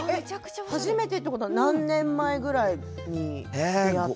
初めてってことは何年前ぐらいに出会って？